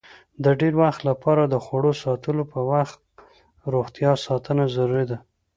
د ډېر وخت لپاره د خوړو ساتلو په وخت روغتیا ساتنه ضروري ده.